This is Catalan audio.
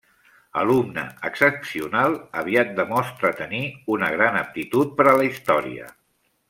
Alumne excepcional, aviat demostra tenir una gran aptitud per a la Història.